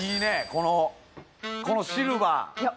このこのシルバー。